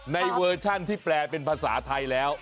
เวอร์ชันที่แปลเป็นภาษาไทยแล้ว